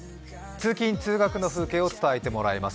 通勤・通学の風景を伝えてもらいます。